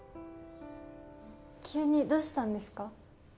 急にどうしたんですか？